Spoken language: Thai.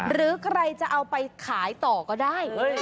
หรือใครจะเอาไปขายต่อก็ได้